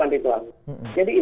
karena sekarang bukan ritual